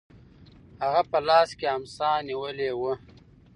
هغه په لاس کې امسا نیولې وه.